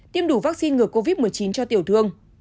tiêm đủ vaccine ngừa covid một mươi chín cho tiểu thương